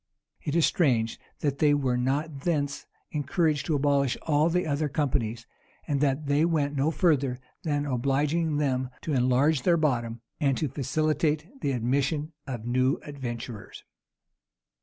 It is strange that they were not thence encouraged to abolish all the other companies, and that they went no further than obliging them to enlarge their bottom, and to facilitate the admission of new adventurers.